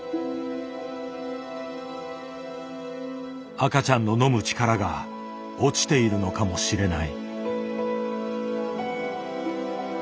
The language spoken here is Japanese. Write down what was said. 赤ちゃんの飲む力が落ちているのかもしれない。